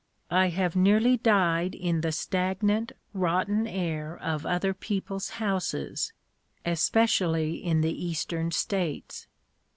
I have nearly died in the stagnant, rotten air of other people's houses especially in the Eastern states.